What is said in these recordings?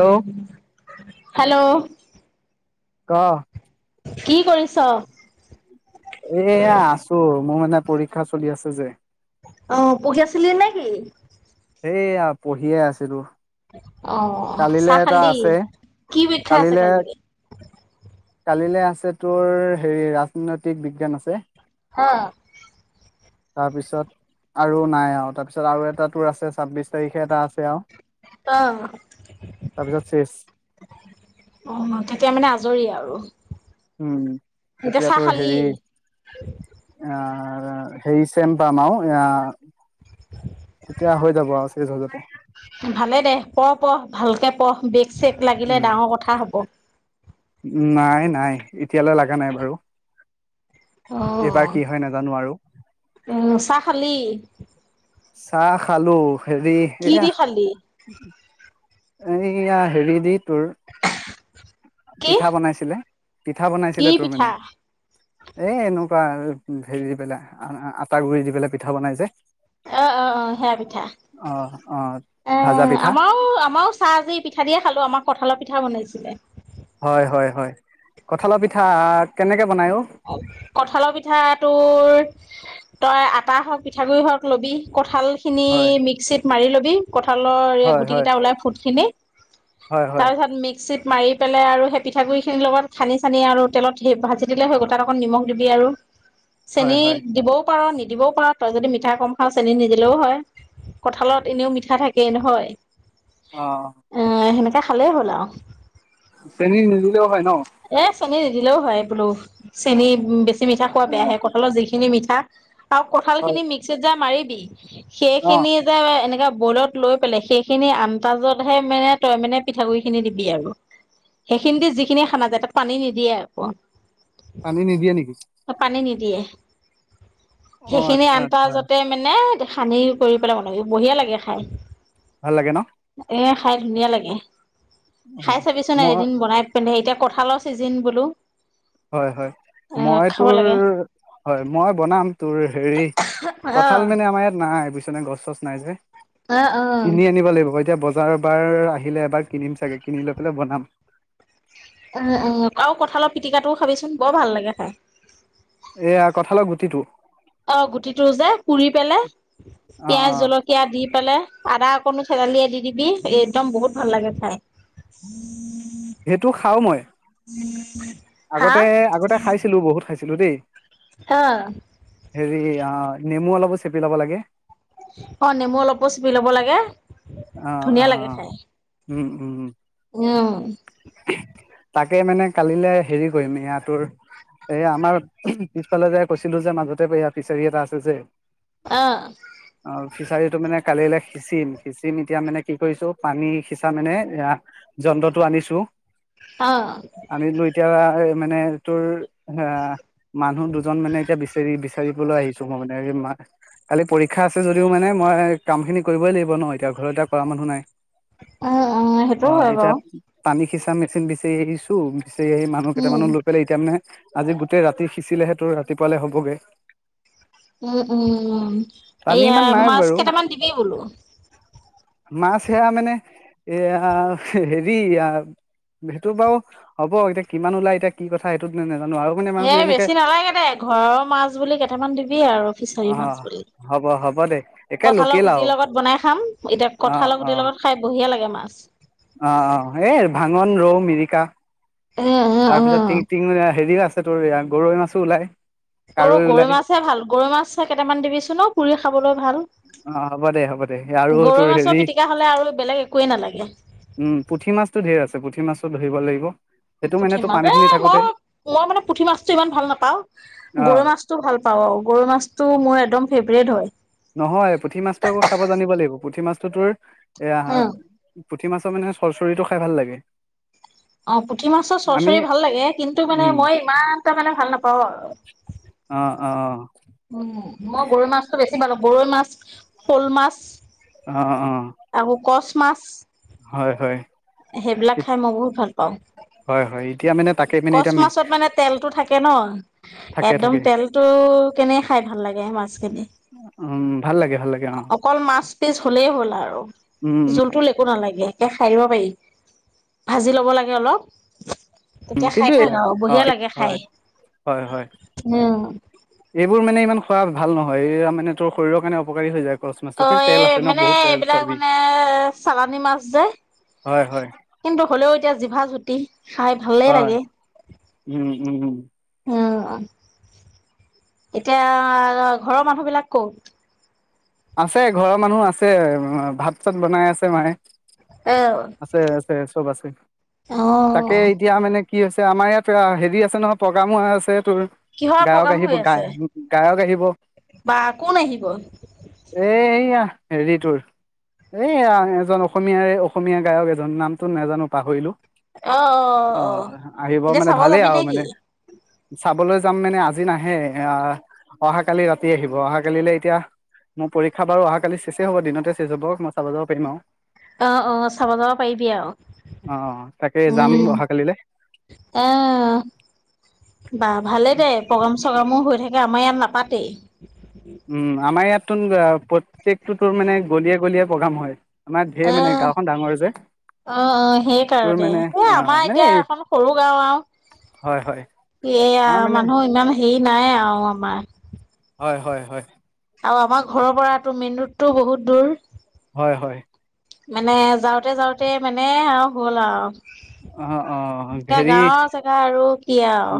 Hello hello? ক' কি কৰিছ? এয়া আছোঁ। মোৰ মানে পৰীক্ষা চলি আছে যে। অ পঢ়িয়াছিলি নে কি? সেইয়া পঢ়িয়ে আছিলোঁ। অ' চাহ খালি? কি পৰিক্ষা আছে কালিলৈ? কালিলৈ আছে তোৰ, হেৰি ৰাজনৈতিক বিজ্ঞান আছে। হা! তাৰপিছত আৰু নাই আৰু, তাৰপিছত আৰু এটা তোৰ আছে ছাব্বিশ তাৰিখে এটা আছে। অ তাৰপিছত শেষ। অ' তেতিয়া মানে আজৰি আৰু! উম এতিয়া চাহ তেতিয়াতোৰ খালি? হেৰি, আহ আৰু হেৰি চেম পাম আৰু আ তেতিয়া হৈ যাব আৰু। এই [unintelligible] ভালে দে পঢ়ি, পঢ় ভালকে পঢ়। চেক লাগিলে ডাঙৰ কথা হ'ব। উম নাই নাই এতিয়ালৈ লাগা নাই বাৰু অ এইবাৰ কি হয় নাজানো আৰু উম চাহ খালি [unintelligible] চাহ খালো হেৰি কি এয়া দি খালি? এইয়া হেৰি দি তে কি? পিঠা বনাইছিলে পিঠা কি বনাইছিলে তোৰ পিঠা? মানে এ এনো হেৰি দি পেলাই আটা গুৰি দি পেলাই পিঠা বনাই যে অ অ অ সেয়া পিঠা অ ভাজা পিঠা আমাৰো আমাৰো চাহ আজি পিঠা দিয়ে খালো আমাৰ কঠালৰ পিঠা পিঠা বনাইছিলে হয় হয় হয় কঠালৰ পিঠা কেনেকে বনাই অ কঠালৰ পিঠা তোৰ তই আটা হওক পিঠাগুড়ি হওক লবি কঁঠাল খিনি হয় মিক্সিত মাৰি ল'বি কঁঠালৰ হয় গুটি হয় কেইটা ওলাই ফুটখিনি হয় হয় তাৰপিছত মিক্সিত মাৰি পেলাই আৰু সেই পিঠাগুড়ি খিনিৰ লগত খানি চানি আৰু তেলত হে ভাজি দিলে হৈ গ'ল তাত অকণ নিমখ দিবি আৰু হয় চেনী হয় দিবও পাৰ নিদিবও পাৰ তই যদি মিঠা কম খাওঁ চেনি নিদিলেও হয় কঁঠালত এনেও মিঠা থাকেই নহয় অ সেনেকে এ খালেই হ'ল আও চেনী নিদি লেও হয় ন চেনি নিদিলেও হয় তোমাৰ চেনি উম বেছি বেছি মিঠা খোৱা বেয়া অ হে কঁঠালৰ যি খিনি মিঠা আৰু কঁঠাল হয় খিনি মিক্সিত যে মাৰি [unintelligible] সেই অ খিনি যে এনেকা বইলত লৈ পেলাই সেইখিনি আনতাজতহে মে এ তই মানে পিঠাগুৰি খিনি দিবি আৰু সেইখিনি দি যিখিনি সা ন তাতে পানী নিদিয়ে আকৌ পানী নিদিয়া নিকি দিয়ে। সেইখিনি আচ্ছা আচ্ছা আনন্তাজতে মানে সানি কৰি পেলাই মন বঢ়িয়া লাগে খাই ভাল লাগে ন। এ খাই ধুনীয়া লাগে অ খাই চাবিচোন মই এদিন বনাই পানে এতিয়া কঁঠালৰ ছিজিন বোলো হয় হয় অ মই খাব তোৰ লাগে হয় মই বনাম তোৰ হেৰি অ কঁঠাল মানে আমাৰ ইয়াত না ন এই পিছ ননে গছ চছ নাই যে অ অ কিনি আনিব লাগিব এতিয়া বজাৰবাৰ আহিলে এবাৰ কিনিম চাগে কিনি লৈ পেলাই বনাম আৰুো কঁঠালৰ পিটিকাটোও খাবিচোন বৰ ভাল লাগে খাই, এয়া কঠালত গুটিটো, অ গুটিটো যে পুৰি পেলাই অ অ পিয়াজ জলকীয়া দি পেলাই আদা। স কনো চেৰাালি দি দিবি একদম বহুত ভাল লাগে খাই উম সেইটো খাও মই উম। হয়। আগতে আগতে খাইছিলো বহুত খাইছিলো। ছিলো দেই। অ হেৰি অ নেমু অলপ চেপি লব লাগে অ নেমু অলপো চুপি লব লাগে অ ধুনীয়া অ। উম উম উম। আহ তাকে মানে কালিলে হেৰি কৰিম এইয়া তোৰ এই আমাৰ পিছফালে যোয় কৈছিলো যে মাজতে এই ফিচাৰি এটা আছে যে অ আৰু ফিচাৰীটো মানে কালিলৈ। সিঁচিম সিঁচিম এতিয়া মানে কি কৰিছো পানী সিঁচা মানে আনিছো অ আনিলো এতিয়া মানে তোৰ এ মানুহ দুজন মানে এতিয়া বিচাৰি বিচাৰিবলৈ আহিছো মই মানে কালি পৰীক্ষা আছে যদিও মানে মই কাম খিনি কৰিবই লাগিব ন এতিয়া ঘৰত এতিয়া কৰা মানুহ নাই উম উম সেইটোও হয় বাৰু আমি সিচা মেচিন বিচাৰি আহিছো। প সি মানুহেই উম মান লৈ পেল এতিয়া মানে আজি গোটেই ৰাতি সিঁচিলেহে তো ৰাতিপুৱালে হ'বগে। উম উম উম পানী এয়া ইমান নাই মাছ বাৰু কেইটামান দিবি বোলোঁ। মাছ সেয়া মানে এয়া হেৰি। সেইটো বাৰু হ'ব এতিয়া কিমান ওলাই এতিয়া কি কথা সেইটোত ম হে বেছি নালাগে দে ঘৰৰ মাছ বুলি কেইটামান দিবি আৰু ফিচাৰী মাছ অ', বুলি হ'ব হ'ব দে একে কঠালৰ লোকেল আৰু গুটিৰ লগত বনাই খাম এতিয়া অ', কঠালৰ গুটিৰ অ', লগত খাই বহিয়া লাগে মাছ। অ অ এই ভাঙন ৰৌ মিৰিকা। উম উম তাৰপিছত উম। টি ম হেৰি ৰা আ তোৰ এয়া গৰৈ মাছো ওলাই। অ কাৰৈ গৰৈ ওলাই মাছেহে ভাল গৰৈ মাছ কেইটামান দিবিছোন অ পুৰি খাবলৈ ভাল। অ হ'ব দে হ'ব দে আৰু গৰৈ তোৰ মাছৰ হেৰি পিটিকা হ'লে আৰু বেলেগ একোৱেই নালাগে উম পুঠি মাছ। ধেৰ আছে পুঠি মাছো ধৰিব লাগিব। সেইটো মানে পুঠি তোৰ মাছ এ পানীখিনি মই থাকোতে মই মানে পুঠি মাছটো ইমান ভাল নাপাওঁ অ', গৰৈ মাছটো ভাল পাওঁ আৰু গৰৈ মাছটো মোৰ একদম ফেভৰেট হয়। নহয় পুঠি মাছটো আকৌ খাব জানিব লাগিব পুঠি মাছটোতোৰ। এ আহ উম। পুঠি মাছৰ মানে চৰচৰিটো খাই ভাল লাগে। অ পুঠি মাছৰ আমি চৰচৰি ভাল লাগে কিন্তু মানে উম, মই ইমান টা মানে ভাল নাপাওঁ আৰু অ', অ', উম। মই গৰৈ মাছটো বেছি ভালো গৰৈ মাছ শ'ল মাছ। অ অ আকৌ কচ মাছ হয় হয়। সেইবিলাক খাই মই বহুত ভাল পাওঁ হয় হয় এতিয়া মানে তাকে মানে কচ এতিয়া মাছত মানে তেলতটো থাকে ন থাকে একদম থাকে তেলতটো কেনে খাই ভাল লাগে মাছখিনি। উম ভাল লাগে ভাল লাগে অ অকল মাছ পিছ হলেই হ'ল আৰু উম উম জোলটোল একো নালাগে। গেহকে খাই দিব পাৰি ভাজি ল'ব লাগে অলপ। উ তেতিয়া কিন্তু খাই থাক এইবাক আৰু অ বঢ়িয়া লাগে খাই হয় হয় হয় উম এইবোৰ মানে ইমান। খোৱা ভাল নহয় এইয়া মানে তোৰ শৰীৰৰ কাৰণে অপকাৰী হৈ যায়। কচ অ মাছটোত মানে তেল এই আছে ন মানে বহুত তেল এইবিলাক চৰ্বি মানে চালানী মাছ যে হয় হয় কিন্তু হ'লেও এতিয়া জিভা জুত। টি। খাই ভালেই হয় লাগে উম উম উম উম। এতিয়া ঘৰৰ মানুহ বিলাক ক'ত। আছে ঘৰৰ মানুহ আছে ভাত চাত বনাই আছে মায়ে। এ আছে আছে চব আছে অ তাকে এতিয়া মানে। কি হৈছে আমাৰ ইয়াত হেৰি আছে নহয় প্ৰগ্ৰামো আছে। তোৰ কিহৰ গায়ক প্ৰগ্ৰাম আহিব হৈ গা আছে গায়ক আহিব বা কোন আহিব অ এইয়া। হেৰি তুৰ এই এজন অসমীয়াৰে অসমীয়া গায়ক এজন নামটোো নাজানো পাহৰিলো অ অ আহিব তেতিয়া মানে চাব ভালেই যাবি আৰু নে মানে কি? চাবলৈ যাম মানে আজি নাহে আহ অহা কালি ৰাতি আহিব অহা কালিলৈ এতিয়া মোৰ পৰীক্ষা বাৰু অহা কালি শেষে হ'ব দিনতে শেষ হব মই চাব যাব পাৰিম আৰু। অ অ চাব যাব পাৰিবি আৰু অ তাকে উ যাম অহাকালিলৈ এ বাাহ ভালেই দে প্ৰগ্ৰেম চগ্ৰেমো হৈ থাকে। এ আ মাৰ ইয়াত নাপাতেই উম আমাৰ ইয়াত নতুন প্ৰত্যেকটো তোৰ মানে গলিয়ে গলিয়ে প্ৰগ্ৰেম হয় আমাৰ ঢেৰ মানে আহ গাঁওখন ডাঙৰ যে অ অ সেই তোৰ কাৰণে মানে এই অ আমাৰ মানে এতিয়া এখন সৰু গাও হয় হয় আৰু এইয়া আমাৰ মানে মানুহ ইমান হেৰি নাই আওঁ আমাৰ হয় হয় হয় আৰু আমাৰ ঘৰৰ পৰাতো মেইন ৰোডটোও বহুত দূৰ হয় হয় মানে যাওঁতে যাওঁতে মানে আওঁ হ'ল আওঁ। অ অ এ হেৰি গাঁৱৰ চিধা আৰু কি আওঁ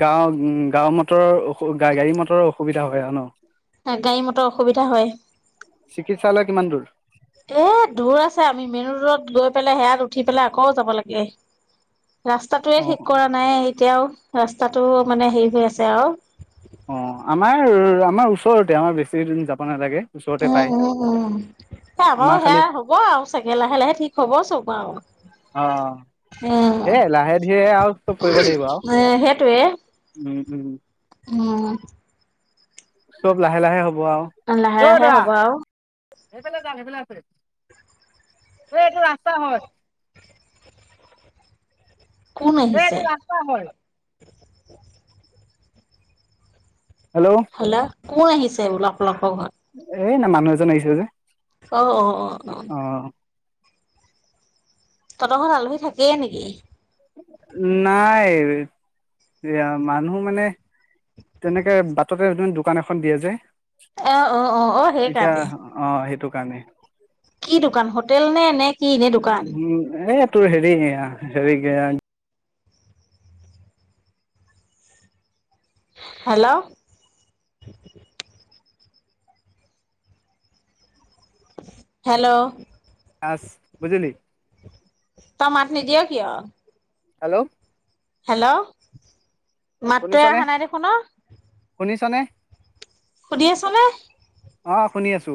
গাঁৱ ওম গাঁও মটৰৰ অস গাড়ী মটৰৰ অসুবিধা হয় জ ন গাড়ী মটৰ অসুবিধা হয় চিকিৎসালয় কিমান দূৰ এ দূৰ আছে আমি মেইন ৰোদত গৈ পেলাই সেয়াত উঠি পেলাই আকৌ যাব লাগে ৰাস্তাাতয়ে অঁ ঠিক কৰা নাই এতিয়াও ৰাস্তাটো মানে হেৰি হৈ আছে আওঁ অঁ আমাৰ আমাৰ ওচৰতে আমাৰ বেছি দিন যাব নালাগে ওচৰতে উ পায়। উ সে বাৰু আমাৰ খালি সেয়া হ'ব আৰু চাগে লাহে লাহে ঠিক হব চব অঁ আৰু উ সেই লাহে ধীৰে আৰু চব কৰিব লাগিব আৰু এ সেইটয়ে উম উম স উ চব লাহে লাহে হ'ব আৰু অ লাহে ঐ লাহে দৰা হ'ব আউ সেইফালে যাম সেইফালে আছে এই এইটো ৰাস্তা হয় কোন এই আহিছে এইটো ৰাস্তা হয়। হেল্ল' ক আহিছে অলপ অলপৰ ঘৰত এই না মানুহ এজন আহিছে যে অ অ অ অ অঁ তহতৰ ঘৰলে আলহী থাকেই নেকি নাই এয়া মানুহ মানে তেনেকে বাটতে য দোকান এখন দিয়ে যে আহ অ অ অ সেইকাৰ নে কাৰনে কি দোকান হোটেল নে নে কি এনে দোকান? এইটোৰ হেৰি হেৰি হেল্ল' হেল্ল' আছ বুজিলি তমাটনি দিয় কিয় হেল্ল' হেল্ল' মাততে শুনিছনে? অহা নাই দেখোন অ শুনিছনে শুনি আছনে। অ শুনি আছো।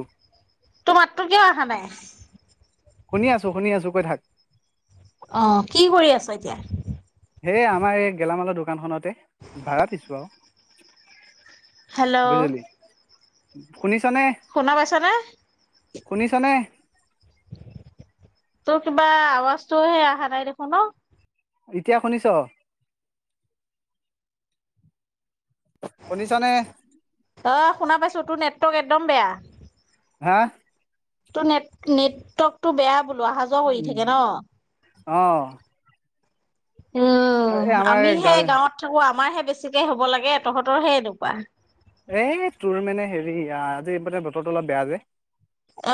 তোৰ মাততো কিয় অহা নাই শুনি আছো শুনি আছো কৈ থাক অ কি কৰি আছ এতিয়া হেই আমাৰ এই গেলামালৰ দোকানখনত ভাড়া দিছো আৰু হেল্ল' উ শুনিছনে শুনা পাইছনে? শুনিছনে তোৰ কিবা আৱাজটো সে অহা নাই দেখোন অ এতিয়া শুনিছ? শুনিছানে? অ শুনা পাইছোঁ তোৰ নেটৱৰ্ক একদম বেয়া। হা ত নেট নেটৱৰ্কতটো বেয়া। বোলোৱা অহা যোৱা কৰি থাকে ন অঁ এই উম আমাৰ গা আমিহে গাঁৱত থাকো আমাৰ হে বেছিকে হ'ব লাগে তহঁতৰ হে এনেকোৱা এই তোৰ মানে হেৰি আজি মানে বতৰটো অলপ বেয়া যে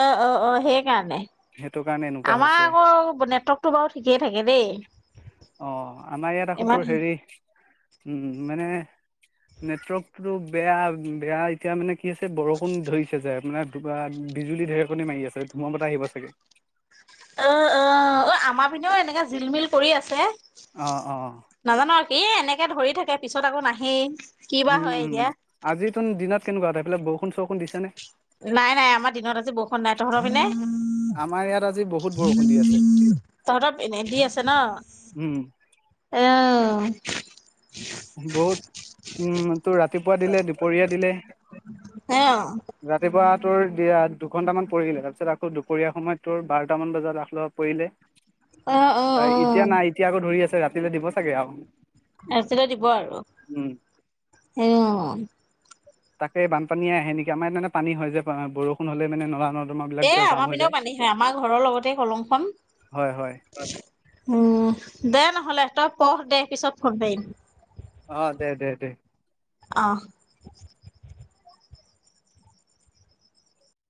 অ অ অ সেই কি কাৰণে ণে সেইটো কাৰণে এনেকুৱা আমাৰ হৈছে। আকৌ নেটৱৰ্কটো বাৰু ঠিকেই থাকে দেই অঁ আমাৰ ইয়াত আকৌ তোৰ ইমান হেৰি উম মানে নেটৱৰ্কো বেয়া বেয়া এতিয়া মানে কি আছে বৰষুণ ধৰিছে যে মানে বিজুলী ঢেৰেকণি মাৰি আছে ধুম বতটা আহিব থাকে অ অ অ আমাৰ পিনেও এনেকা জিলমিল কৰি আছে অঁ অঁ এ এনেকে ধৰি থাকে পিছত আকৌ নাহেই কি বা উম হয় উম এতিয়া আজি তহঁতৰ দিনত কেনেকুৱা তহঁতৰ সেই ফালে বৰষুণ চৰষুণ দিছে নে? নাই নাই আমাৰ দিনত আজি বৰষুণ নাই তহঁতৰ পিনে আমাৰ ইয়াত আজি বহুত বৰষুণ দি আছে। তহঁতৰ এনে দি আছে ন উম, আহ বহুত উম তোৰ ৰাতিপুৱা দিলে দুপৰীয়া দিলে অ ৰাতিপুৱা তোৰ দা দুঘন্টামান পৰিলে তাৰপিছত দুপৰীয়া সময়ত তোৰ বাৰটাামান বজাত লাখ লভ পৰিলে অ অ অ হয় এতিয়া নাই এতিয়া আকৌ ধৰি আছে ৰাতি দিব দিব চাগে আৰু একা [inaudible] তে দিব আৰু উম, অহ তাকে বানপানীয়ে আহে নেকি আমাৰ মানে পানী হয় যে বৰষুণ আহিলে মানে নলা ন এ আমাৰ পিনেও পানী হয় আমাৰ ঘৰৰ লগতে কলং খন হয়, হয়, উম দে নহলে তই পঢ় দে পিছত ফোন কৰিম। অ দে দে দে অ